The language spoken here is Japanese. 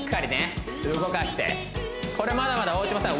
これまだまだ大島さん